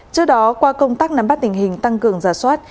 trước đó qua công tác nắm bắt tình hình tăng cường giả soát